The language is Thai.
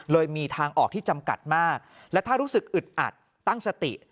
มีทางออกที่จำกัดมากและถ้ารู้สึกอึดอัดตั้งสติ